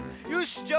よし！